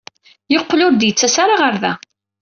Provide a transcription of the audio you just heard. Yeqqel ur d-yettas ara ɣer da.